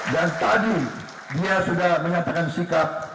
dan tadi dia sudah menyatakan sikap